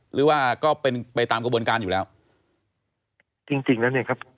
หรือว่าก็เป็นไปตามกระบวนการอยู่แล้วจริงจริงแล้วเนี่ยครับ